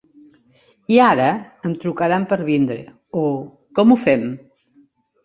I ara em trucaran per vindre, o com ho fem?